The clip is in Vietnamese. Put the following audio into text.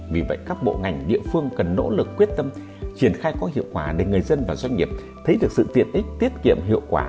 vì vậy các bộ ngành địa phương cần nỗ lực quyết tâm triển khai có hiệu quả để người dân và doanh nghiệp thấy được sự tiện ích tiết kiệm hiệu quả